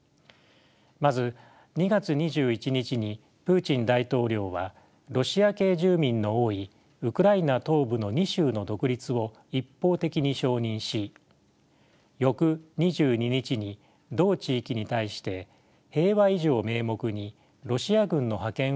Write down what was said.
まず２月２１日にプーチン大統領はロシア系住民の多いウクライナ東部の２州の独立を一方的に承認し翌２２日に同地域に対して平和維持を名目にロシア軍の派遣を指示しました。